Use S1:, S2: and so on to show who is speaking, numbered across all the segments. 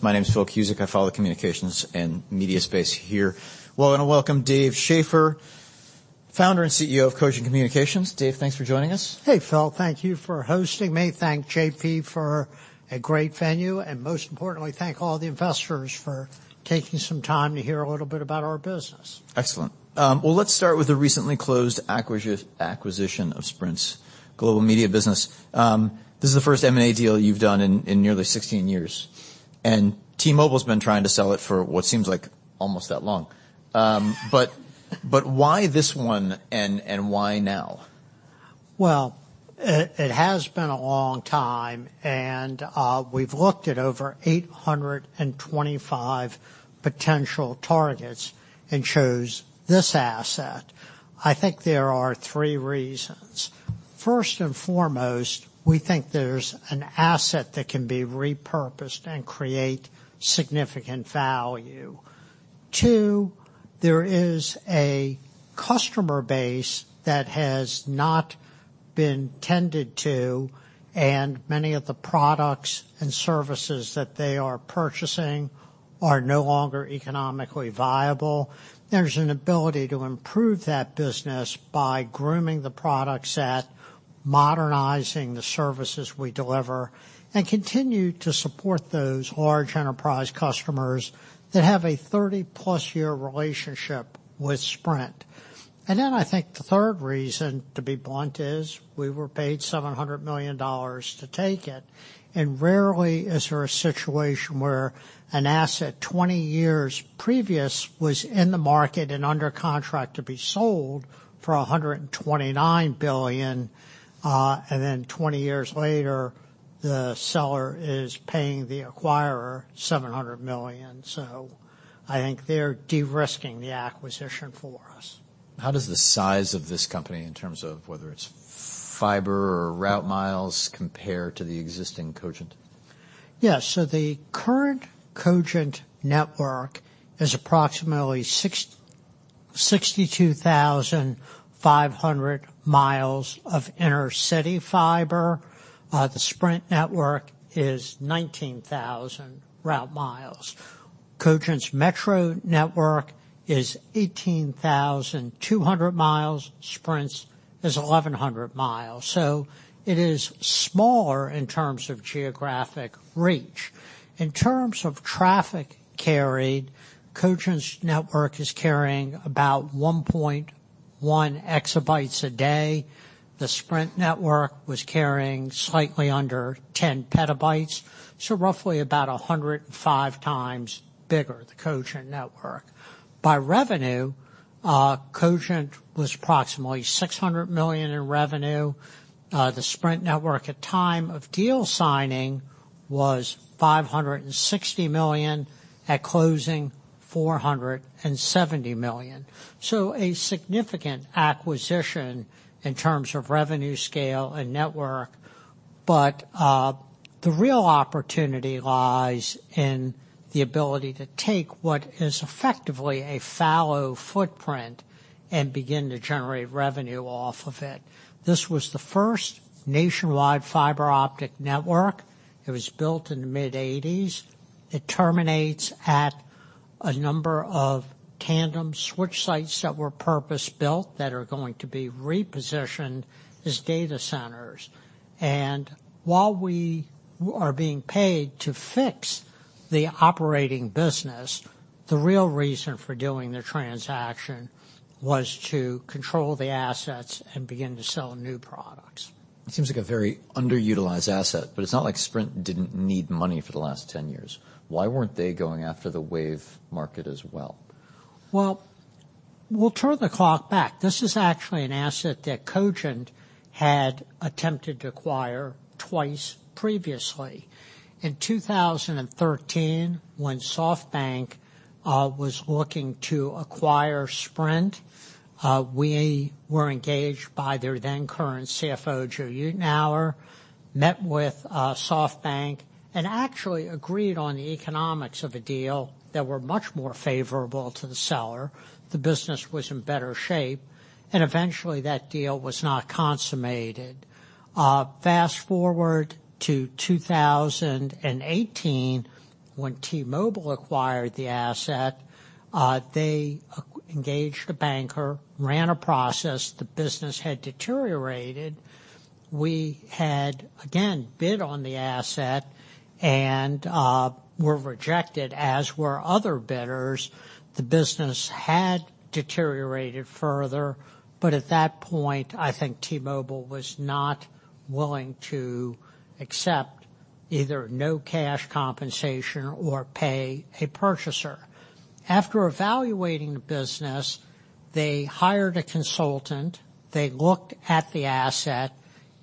S1: My name is Phil Cusick. I follow communications and media space here. We're gonna welcome Dave Schaeffer, Founder and CEO of Cogent Communications. Dave, thanks for joining us.
S2: Hey, Phil. Thank you for hosting me. Thank J.P. for a great venue, Most importantly, thank all the investors for taking some time to hear a little bit about our business.
S1: Excellent. Well let's start with the recently closed acquisition of Sprint's global media business. This is the first M&A deal you've done in nearly 16 years. T-Mobile's been trying to sell it for what seems like almost that long. Why this one and why now?
S2: Well, it has been a long time, we've looked at over 825 potential targets and chose this asset. I think there are three reasons. First and foremost, we think there's an asset that can be repurposed and create significant value. Two, there is a customer base that has not been tended to, many of the products and services that they are purchasing are no longer economically viable. There's an ability to improve that business by grooming the product set, modernizing the services we deliver, and continue to support those large enterprise customers that have a 30-plus year relationship with Sprint. I think the third reason, to be blunt, is we were paid $700 million to take it. Rarely is there a situation where an asset 20 years previous was in the market and under contract to be sold for $129 billion, and then 20 years later, the seller is paying the acquirer $700 million. I think they're de-risking the acquisition for us.
S1: How does the size of this company in terms of whether it's fiber or route miles compare to the existing Cogent?
S2: Yeah. The current Cogent network is approximately 62,500 miles of inner city fiber. The Sprint network is 19,000 route miles. Cogent's metro network is 18,200 miles. Sprint's is 1,100 miles. It is smaller in terms of geographic reach. In terms of traffic carried, Cogent's network is carrying about 1.1 exabytes a day. The Sprint network was carrying slightly under 10 petabytes, so roughly about 105 times bigger the Cogent network. By revenue, Cogent was approximately $600 million in revenue. The Sprint network at time of deal signing was $560 million, at closing $470 million. A significant acquisition in terms of revenue scale and network. The real opportunity lies in the ability to take what is effectively a fallow footprint and begin to generate revenue off of it. This was the first nationwide fiber optic network. It was built in the mid-eighties. It terminates at a number of tandem switch sites that were purpose-built that are going to be repositioned as data centers. While we are being paid to fix the operating business, the real reason for doing the transaction was to control the assets and begin to sell new products.
S1: It seems like a very underutilized asset, but it's not like Sprint didn't need money for the last 10 years. Why weren't they going after the Wave market as well?
S2: We'll turn the clock back. This is actually an asset that Cogent had attempted to acquire twice previously. In 2013, when SoftBank was looking to acquire Sprint, we were engaged by their then current CFO, Joe Euteneuer, met with SoftBank, and actually agreed on the economics of a deal that were much more favorable to the seller. The business was in better shape. Eventually that deal was not consummated. Fast-forward to 2018 when T-Mobile acquired the asset, they engaged a banker, ran a process. The business had deteriorated. We had, again, bid on the asset and were rejected, as were other bidders. The business had deteriorated further. At that point, I think T-Mobile was not willing to accept either no cash compensation or pay a purchaser. After evaluating the business, they hired a consultant, they looked at the asset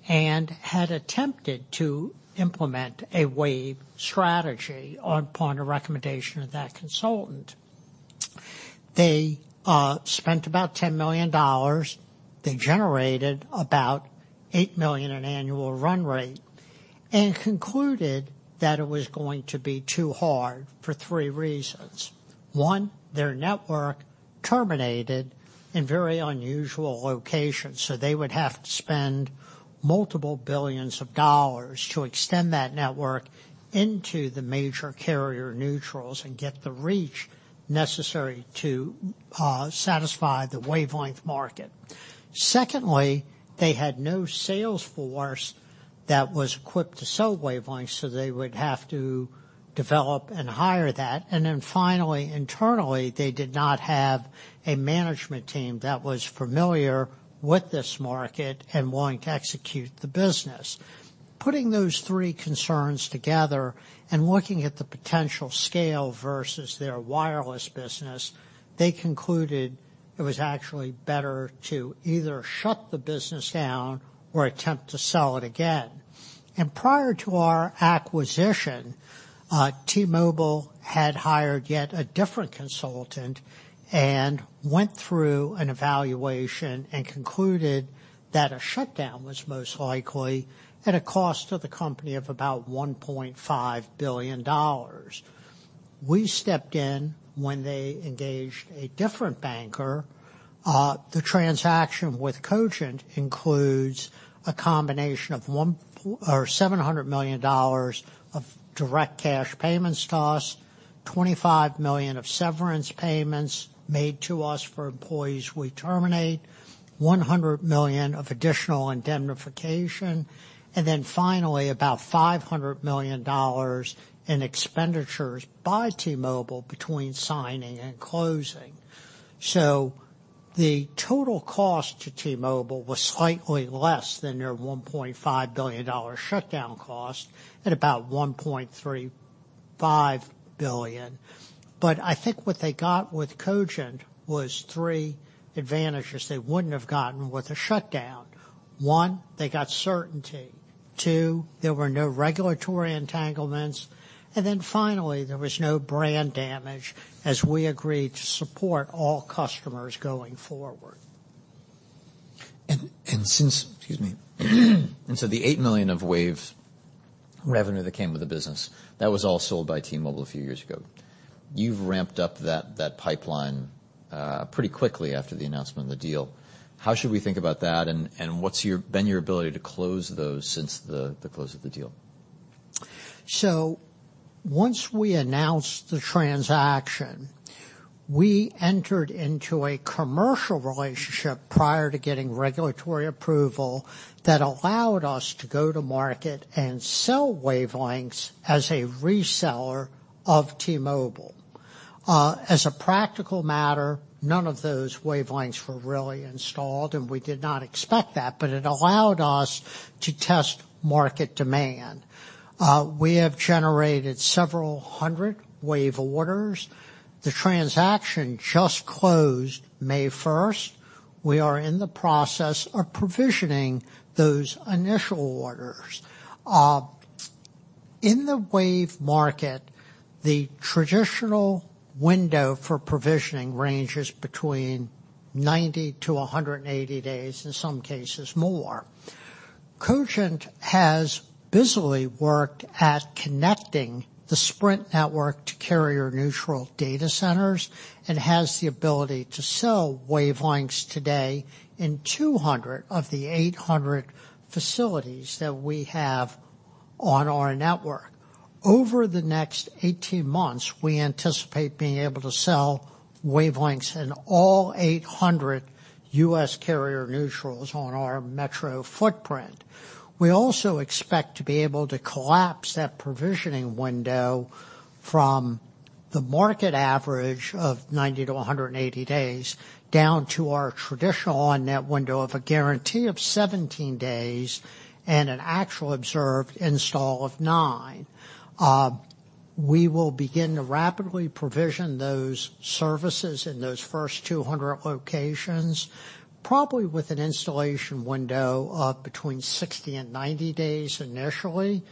S2: and had attempted to implement a Wave strategy upon a recommendation of that consultant. They spent about $10 million. They generated about $8 million in annual run rate and concluded that it was going to be too hard for three reasons. One, their network terminated in very unusual locations, so they would have to spend multiple billions of dollars to extend that network into the major carrier neutrals and get the reach necessary to satisfy the wavelength market. Secondly, they had no sales force that was equipped to sell wavelengths, so they would have to develop and hire that. Finally, internally, they did not have a management team that was familiar with this market and wanting to execute the business. Putting those three concerns together and looking at the potential scale versus their wireless business, they concluded it was actually better to either shut the business down or attempt to sell it again. Prior to our acquisition, T-Mobile had hired yet a different consultant and went through an evaluation and concluded that a shutdown was most likely at a cost to the company of about $1.5 billion. We stepped in when they engaged a different banker. The transaction with Cogent includes a combination of or $700 million of direct cash payments to us, $25 million of severance payments made to us for employees we terminate, $100 million of additional indemnification. Finally, about $500 million in expenditures by T-Mobile between signing and closing. The total cost to T-Mobile was slightly less than their $1.5 billion shutdown cost at about $1.35 billion. I think what they got with Cogent was three advantages they wouldn't have gotten with a shutdown. One, they got certainty. Two, there were no regulatory entanglements. Finally, there was no brand damage as we agreed to support all customers going forward.
S1: Excuse me. The $8 million of Wave revenue that came with the business, that was all sold by T-Mobile a few years ago. You've ramped up that pipeline pretty quickly after the announcement of the deal. How should we think about that, and what's been your ability to close those since the close of the deal?
S2: Once we announced the transaction, we entered into a commercial relationship prior to getting regulatory approval that allowed us to go to market and sell wavelengths as a reseller of T-Mobile. As a practical matter, none of those wavelengths were really installed, and we did not expect that, but it allowed us to test market demand. We have generated several hundred Wave orders. The transaction just closed May first. We are in the process of provisioning those initial orders. In the Wave market, the traditional window for provisioning ranges between 90 to 180 days, in some cases more. Cogent has busily worked at connecting the Sprint network to carrier-neutral data centers and has the ability to sell wavelengths today in 200 of the 800 facilities that we have on our network. Over the next 18 months, we anticipate being able to sell wavelengths in all 800 U.S. carrier-neutrals on our metro footprint. We also expect to be able to collapse that provisioning window from the market average of 90-180 days down to our traditional on-net window of a guarantee of 17 days and an actual observed install of nine. We will begin to rapidly provision those services in those first 200 locations, probably with an installation window of between 60 and 90 days initially.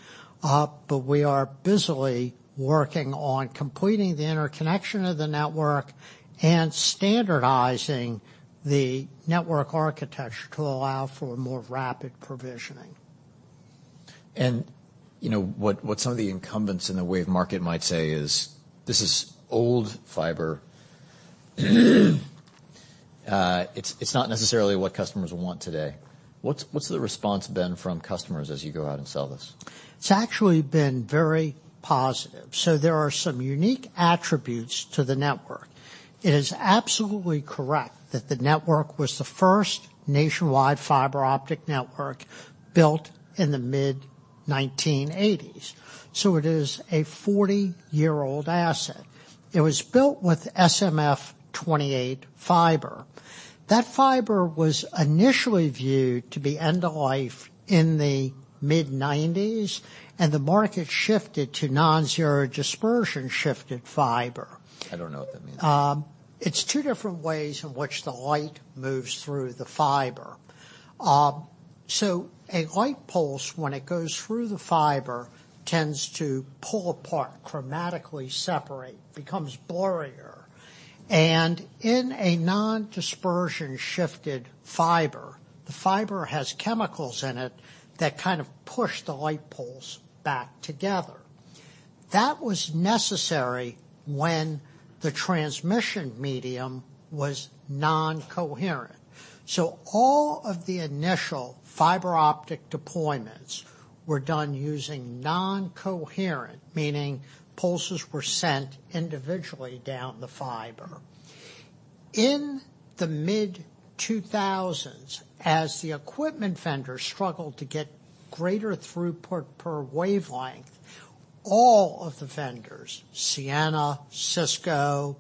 S2: We are busily working on completing the interconnection of the network and standardizing the network architecture to allow for more rapid provisioning.
S1: you know, what some of the incumbents in the Wave market might say is, "This is old fiber. It's not necessarily what customers want today." What's the response been from customers as you go out and sell this?
S2: It's actually been very positive. There are some unique attributes to the network. It is absolutely correct that the network was the first nationwide fiber optic network built in the mid-1980s, so it is a 40-year-old asset. It was built with SMF-28 fiber. That fiber was initially viewed to be end of life in the mid-1990s, and the market shifted to non-zero dispersion shifted fiber.
S1: I don't know what that means.
S2: It's two different ways in which the light moves through the fiber. A light pulse, when it goes through the fiber, tends to pull apart, chromatically separate, becomes blurrier. In a non-dispersion shifted fiber, the fiber has chemicals in it that kind of push the light pulse back together. That was necessary when the transmission medium was non-coherent. All of the initial fiber optic deployments were done using non-coherent, meaning pulses were sent individually down the fiber. In the mid-2000s, as the equipment vendors struggled to get greater throughput per wavelength, all of the vendors, Ciena, Cisco,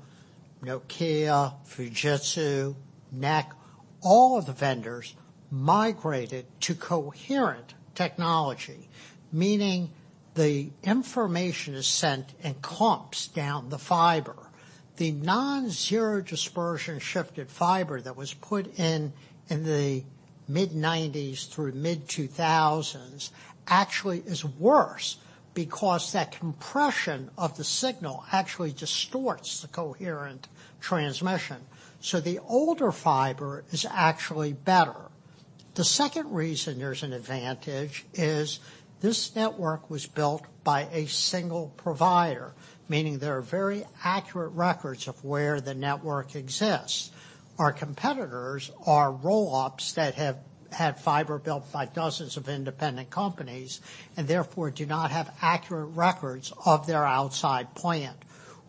S2: Nokia, Fujitsu, NEC, all of the vendors migrated to coherent technology, meaning the information is sent in clumps down the fiber. The non-zero dispersion-shifted fiber that was put in the mid-nineties through mid-2000s actually is worse because that compression of the signal actually distorts the coherent transmission. The older fiber is actually better. The second reason there's an advantage is this network was built by a single provider, meaning there are very accurate records of where the network exists. Our competitors are roll-ups that have had fiber built by dozens of independent companies, and therefore do not have accurate records of their outside plant.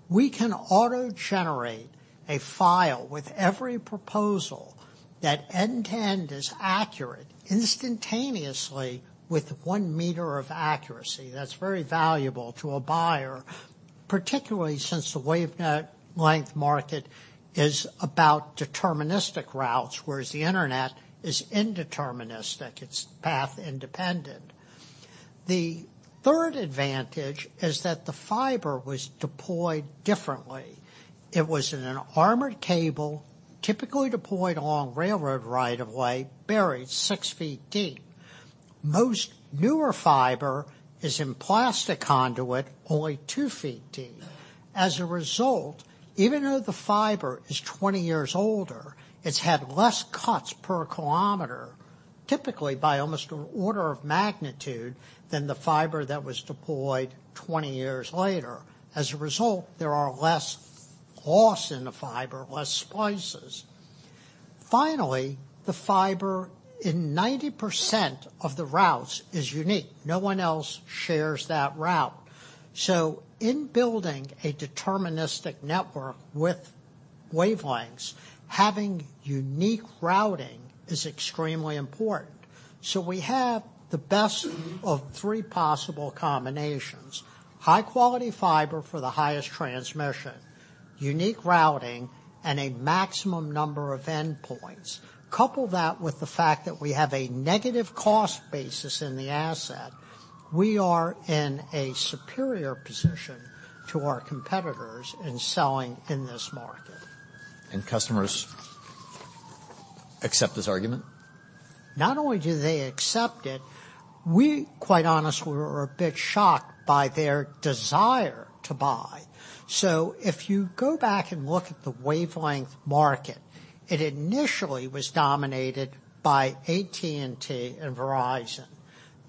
S2: We can auto-generate a file with every proposal that end-to-end is accurate instantaneously with 1 meter of accuracy. That's very valuable to a buyer, particularly since the wavelength market is about deterministic routes, whereas the Internet is indeterministic. It's path independent. The third advantage is that the fiber was deployed differently. It was in an armored cable, typically deployed on railroad right of way, buried 6 feet deep. Most newer fiber is in plastic conduit only 2 feet deep. Even though the fiber is 20 years older, it's had less cuts per kilometer, typically by almost an order of magnitude than the fiber that was deployed 20 years later. There are less loss in the fiber, less splices. The fiber in 90% of the routes is unique. No one else shares that route. In building a deterministic network with wavelengths, having unique routing is extremely important. We have the best of 3 possible combinations. High quality fiber for the highest transmission, unique routing, and a maximum number of endpoints. Couple that with the fact that we have a negative cost basis in the asset, we are in a superior position to our competitors in selling in this market.
S1: Customers accept this argument?
S2: Not only do they accept it, we quite honestly were a bit shocked by their desire to buy. If you go back and look at the wavelength market, it initially was dominated by AT&T and Verizon.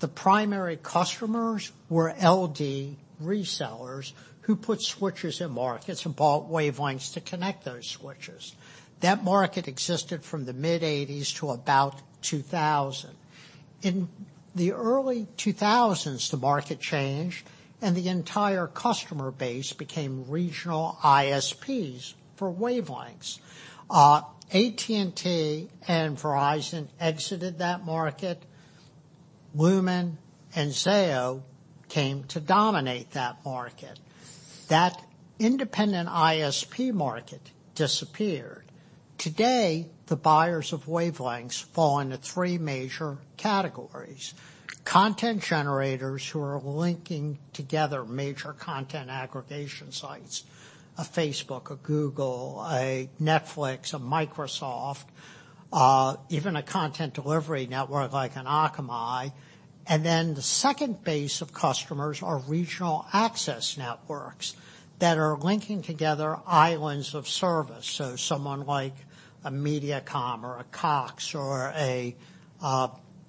S2: The primary customers were LD resellers who put switchers in markets and bought wavelengths to connect those switchers. That market existed from the mid-80s to about 2000. In the early 2000s, the market changed, and the entire customer base became regional ISPs for wavelengths. AT&T and Verizon exited that market. Lumen and Zayo came to dominate that market. That independent ISP market disappeared. Today, the buyers of wavelengths fall into 3 major categories. Content generators who are linking together major content aggregation sites. A Facebook, a Google, a Netflix, a Microsoft, even a content delivery network like an Akamai. The second base of customers are regional access networks that are linking together islands of service. Someone like a Mediacom or a Cox or a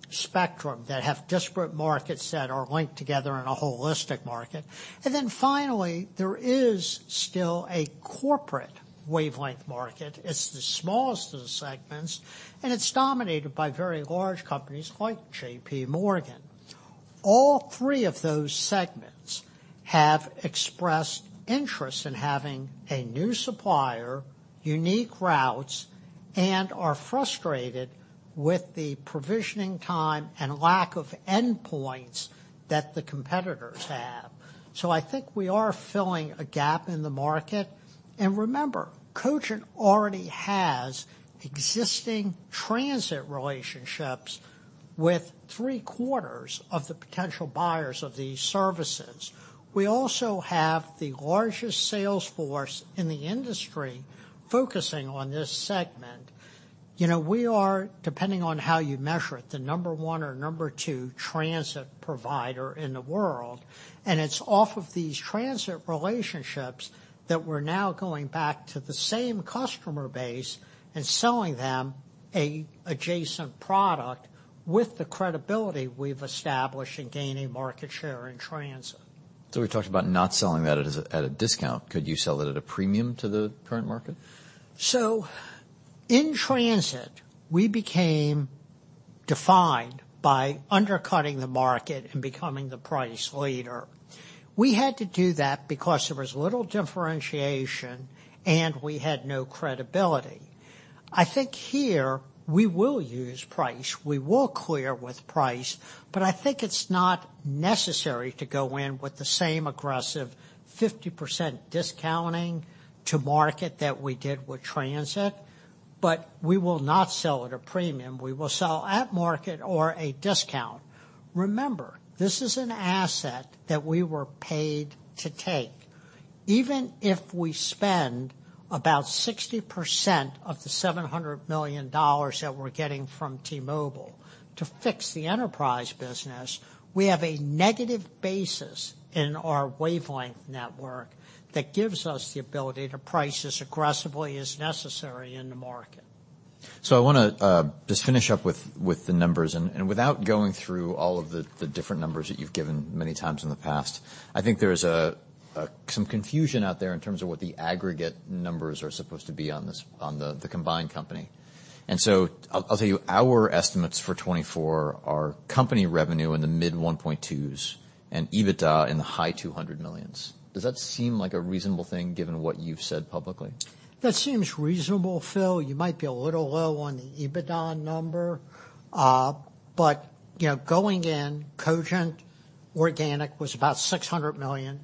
S2: Spectrum that have disparate markets that are linked together in a holistic market. Finally, there is still a corporate wavelength market. It's the smallest of the segments, and it's dominated by very large companies like J.P. Morgan. All three of those segments have expressed interest in having a new supplier, unique routes, and are frustrated with the provisioning time and lack of endpoints that the competitors have. I think we are filling a gap in the market. Remember, Cogent already has existing transit relationships with three-quarters of the potential buyers of these services. We also have the largest sales force in the industry focusing on this segment. You know, we are, depending on how you measure it, the number 1 or number 2 transit provider in the world. It's off of these transit relationships that we're now going back to the same customer base and selling them a adjacent product with the credibility we've established in gaining market share in transit.
S1: We talked about not selling that at a discount. Could you sell it at a premium to the current market?
S2: In transit, we became defined by undercutting the market and becoming the price leader. We had to do that because there was little differentiation, and we had no credibility. I think here we will use price. We will clear with price, but I think it's not necessary to go in with the same aggressive 50% discounting to market that we did with transit. We will not sell at a premium. We will sell at market or a discount. Remember, this is an asset that we were paid to take. Even if we spend about 60% of the $700 million that we're getting from T-Mobile to fix the enterprise business, we have a negative basis in our Wavelength network that gives us the ability to price as aggressively as necessary in the market.
S1: I wanna just finish up with the numbers and without going through all of the different numbers that you've given many times in the past. I think there's some confusion out there in terms of what the aggregate numbers are supposed to be on the combined company. I'll tell you, our estimates for 2024 are company revenue in the mid $1.2 billion and EBITDA in the high $200 million. Does that seem like a reasonable thing given what you've said publicly?
S2: That seems reasonable, Phil. You might be a little low on the EBITDA number, but, you know, going in, Cogent organic was about $600 million,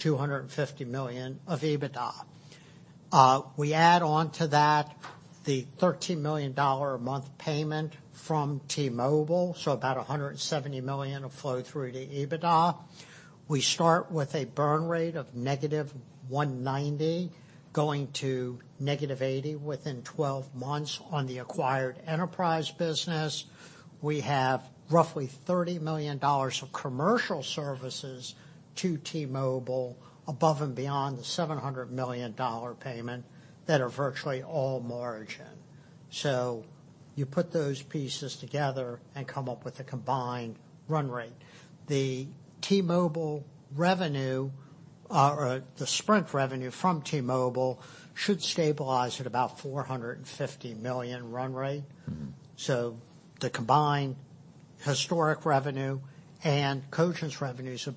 S2: $250 million of EBITDA. We add on to that the $13 million a month payment from T-Mobile, so about $170 million will flow through to EBITDA. We start with a burn rate of negative $190 going to negative $80 within 12 months on the acquired enterprise business. We have roughly $30 million of commercial services to T-Mobile above and beyond the $700 million payment that are virtually all margin. You put those pieces together and come up with a combined run rate. The T-Mobile revenue, or the Sprint revenue from T-Mobile should stabilize at about $450 million run rate.
S1: Mm-hmm.
S2: The combined historic revenue and Cogent's revenues of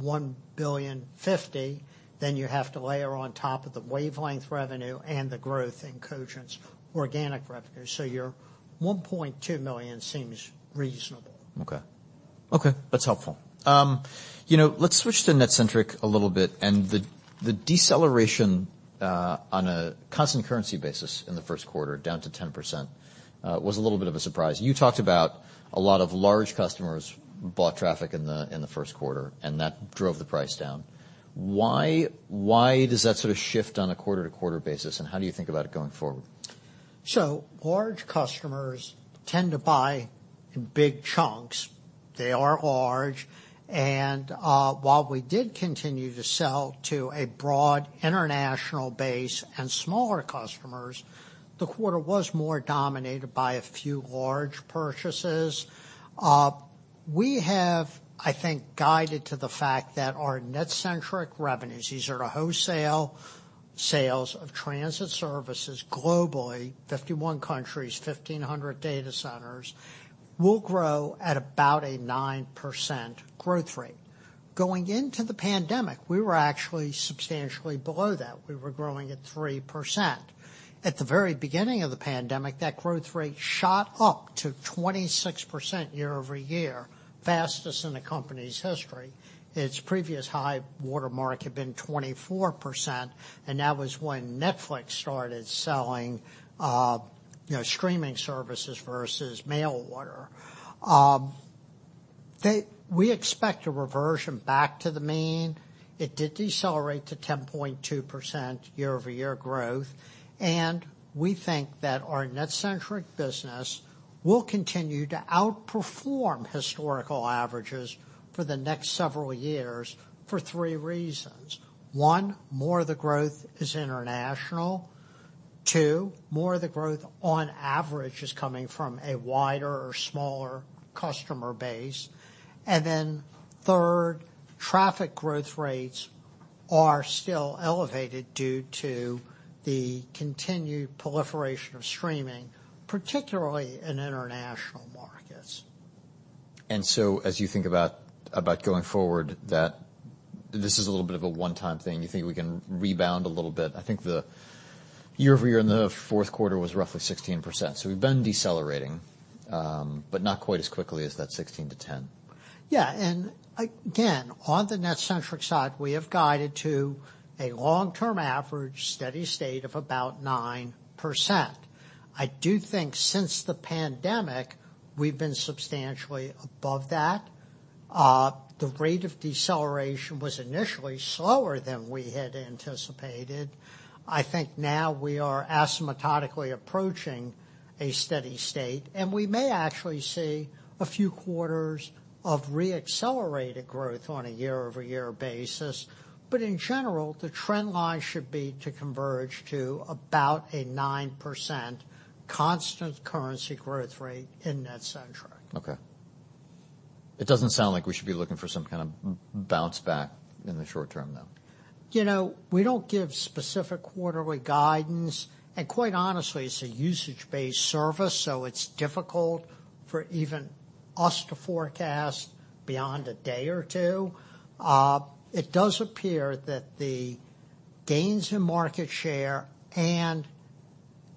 S2: $1,000,000,050, then you have to layer on top of the Wavelength revenue and the growth in Cogent's organic revenue. Your $1.2 million seems reasonable.
S1: Okay. Okay, that's helpful. You know, let's switch to NetCentric a little bit and the deceleration on a constant currency basis in the Q1 down to 10%, was a little bit of a surprise. You talked about a lot of large customers bought traffic in the Q1, that drove the price down. Why does that sort of shift on a quarter-to-quarter basis, and how do you think about it going forward?
S2: Large customers tend to buy in big chunks. They are large. While we did continue to sell to a broad international base and smaller customers, the quarter was more dominated by a few large purchases. We have, I think, guided to the fact that our NetCentric revenues, these are the wholesale sales of transit services globally, 51 countries, 1,500 data centers, will grow at about a 9% growth rate. Going into the pandemic, we were actually substantially below that. We were growing at 3%. At the very beginning of the pandemic, that growth rate shot up to 26% year-over-year, fastest in the company's history. Its previous high watermark had been 24%, and that was when Netflix started selling, you know, streaming services versus mail order. We expect a reversion back to the mean. It did decelerate to 10.2% year-over-year growth. We think that our NetCentric business will continue to outperform historical averages for the next several years for three reasons. One, more of the growth is international. Two, more of the growth on average is coming from a wider or smaller customer base. Third, traffic growth rates are still elevated due to the continued proliferation of streaming, particularly in international markets.
S1: As you think about going forward that this is a little bit of a one-time thing, you think we can rebound a little bit? I think the year-over-year in the fourth quarter was roughly 16%, so we've been decelerating, but not quite as quickly as that 16% to 10%.
S2: Yeah. Again, on the NetCentric side, we have guided to a long-term average steady state of about 9%. I do think since the pandemic, we've been substantially above that. The rate of deceleration was initially slower than we had anticipated. I think now we are asymptotically approaching a steady state, and we may actually see a few quarters of re-accelerated growth on a year-over-year basis. In general, the trend line should be to converge to about a 9% constant currency growth rate in NetCentric.
S1: Okay. It doesn't sound like we should be looking for some kind of bounce back in the short term, though.
S2: You know, we don't give specific quarterly guidance. Quite honestly, it's a usage-based service. It's difficult for even us to forecast beyond a day or two. It does appear that the gains in market share and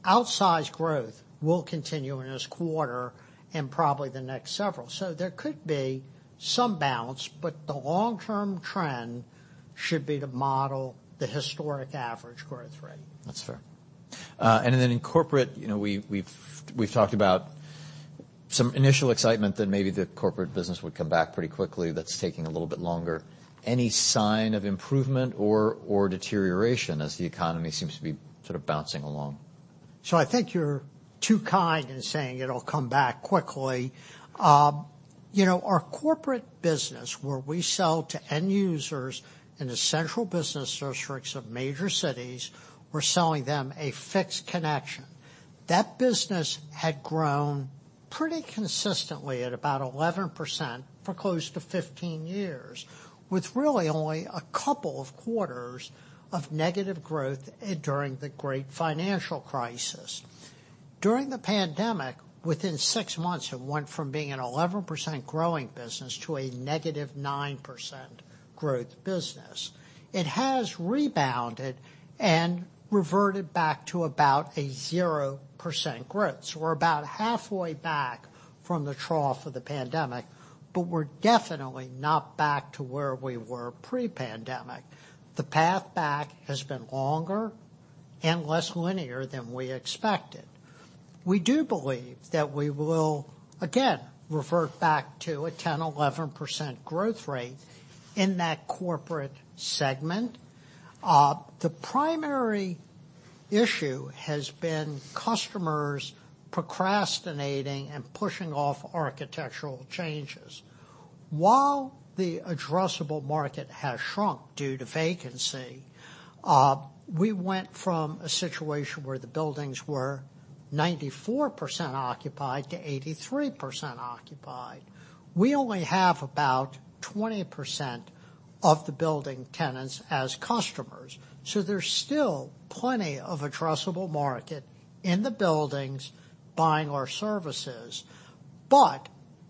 S2: outsized growth will continue in this quarter and probably the next several. There could be some balance. The long-term trend should be to model the historic average growth rate.
S1: That's fair. Then in corporate, you know, we've talked about some initial excitement that maybe the corporate business would come back pretty quickly. That's taking a little bit longer. Any sign of improvement or deterioration as the economy seems to be sort of bouncing along?
S2: I think you're too kind in saying it'll come back quickly. You know, our corporate business, where we sell to end users in the central business districts of major cities, we're selling them a fixed connection. That business had grown pretty consistently at about 11% for close to 15 years, with really only a couple of quarters of negative growth during the great financial crisis. During the pandemic, within 6 months, it went from being an 11% growing business to a negative 9% growth business. It has rebounded and reverted back to about a 0% growth. We're about halfway back from the trough of the pandemic, but we're definitely not back to where we were pre-pandemic. The path back has been longer and less linear than we expected. We do believe that we will again revert back to a 10%, 11% growth rate in that corporate segment. The primary issue has been customers procrastinating and pushing off architectural changes. While the addressable market has shrunk due to vacancy, we went from a situation where the buildings were 94% occupied to 83% occupied. We only have about 20% of the building tenants as customers, so there's still plenty of addressable market in the buildings buying our services.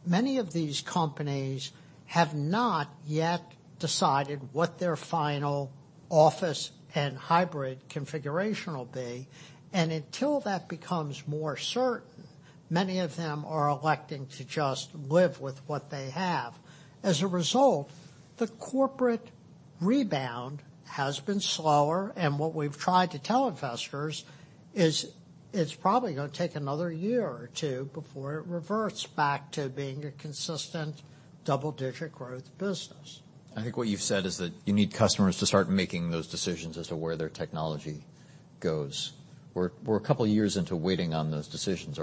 S2: Many of these companies have not yet decided what their final office and hybrid configuration will be, and until that becomes more certain, many of them are electing to just live with what they have. As a result, the corporate rebound has been slower, and what we've tried to tell investors is it's probably going to take another year or two before it reverts back to being a consistent double-digit growth business.
S1: I think what you've said is that you need customers to start making those decisions as to where their technology goes. We're a couple of years into waiting on those decisions.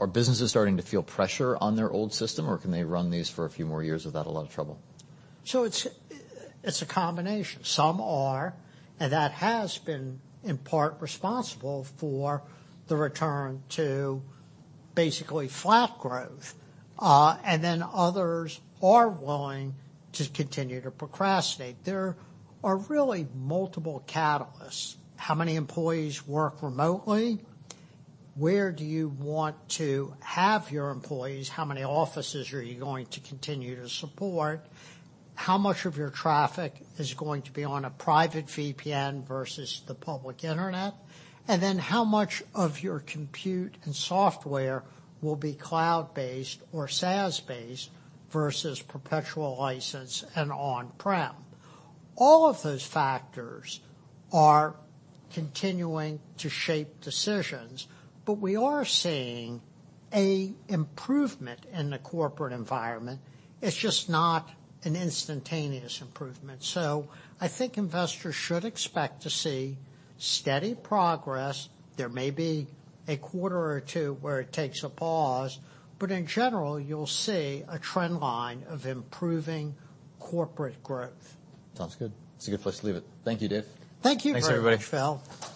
S1: Are businesses starting to feel pressure on their old system, or can they run these for a few more years without a lot of trouble?
S2: It's a combination. Some are, and that has been in part responsible for the return to basically flat growth. Others are willing to continue to procrastinate. There are really multiple catalysts. How many employees work remotely? Where do you want to have your employees? How many offices are you going to continue to support? How much of your traffic is going to be on a private VPN versus the public internet? How much of your compute and software will be cloud-based or SaaS-based versus perpetual license and on-prem? All of those factors are continuing to shape decisions, but we are seeing an improvement in the corporate environment. It's just not an instantaneous improvement. I think investors should expect to see steady progress. There may be a quarter or two where it takes a pause. In general, you'll see a trend line of improving corporate growth.
S1: Sounds good. It's a good place to leave it. Thank you, Dave.
S2: Thank you very much, Phil.
S1: Thanks, everybody.